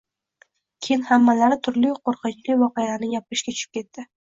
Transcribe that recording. Keyin hammalari turli qo`rqinchi voqealarni gapirishga tushib ketdi